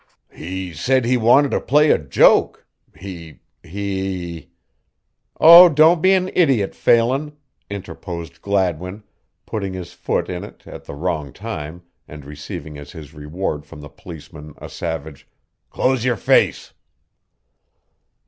"He said he wanted to play a joke. He he " "Oh, don't be an idiot, Phelan," interposed Gladwin, putting his foot in it at the wrong time and receiving as his reward from the policeman a savage, "Close your face!"